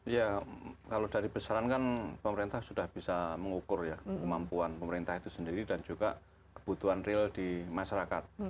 ya kalau dari besaran kan pemerintah sudah bisa mengukur ya kemampuan pemerintah itu sendiri dan juga kebutuhan real di masyarakat